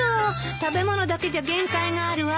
食べ物だけじゃ限界があるわ。